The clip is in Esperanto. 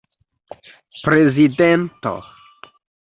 prezidento